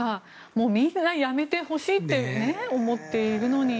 もう皆やめてほしいって思っているのに。